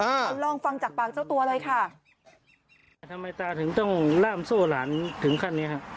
ลองฟังจากปากเจ้าตัวเลยค่ะแต่ทำไมตาถึงต้องล่ามโซ่หลานถึงขั้นเนี้ยฮะ